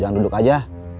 jangan duduk aja